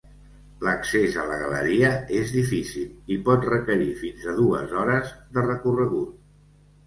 L'accés a la galeria és difícil, i pot requerir fins a dues hores de recorregut.